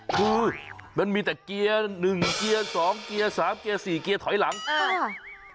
คือมันมีแต่เกียร์๑เกียร์๒เกียร์สามเกียร์๔เกียร์ถอยหลังใช่ค่ะ